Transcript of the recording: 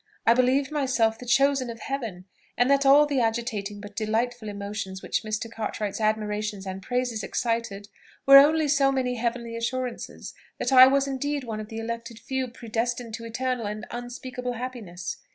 I believed myself the chosen of Heaven, and that all the agitating but delightful emotions which Mr. Cartwright's admiration and praises excited were only so many heavenly assurances that I was indeed one of the elected few predestined to eternal and unspeakable happiness.